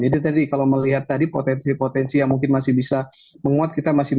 jadi tadi kalau melihat tadi potensi potensi yang mungkin masih bisa menguat